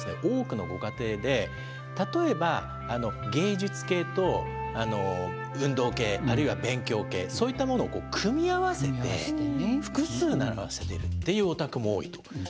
多くのご家庭で例えば芸術系と運動系あるいは勉強系そういったものを組み合わせて複数習わせているっていうお宅も多いと。